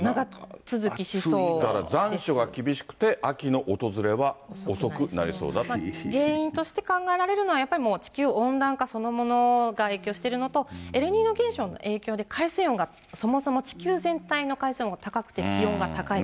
残暑が厳しくて、秋の訪れは原因として考えられるのは、やっぱり地球温暖化そのものが影響してるのと、エルニーニョ現象の影響で、海水温がそもそも地球全体の海水温が高くて気温も高いから。